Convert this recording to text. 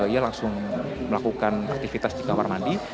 ia langsung melakukan aktivitas di kamar mandi